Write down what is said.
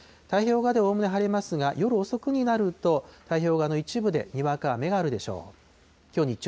太平洋側でおおむね晴れますが、夜遅くになりますと、太平洋側の一部でにわか雨があるでしょう。